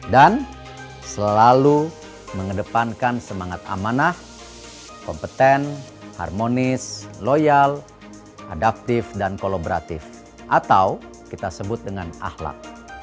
dan selalu mengedepankan semangat amanah kompeten harmonis loyal adaptif dan kolaboratif atau kita sebut dengan akhlak